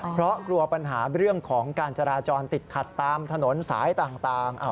เพราะกลัวปัญหาเรื่องของการจราจรติดขัดตามถนนสายต่าง